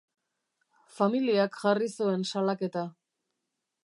Familiak jarri zuen salaketa.